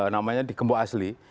namanya di gembok asli